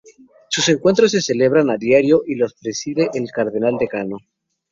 Sus encuentros se celebran a diario y los preside el cardenal decano.